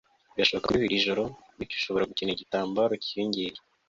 birashoboka ko imbeho iri joro, bityo ushobora gukenera igitambaro cyiyongereye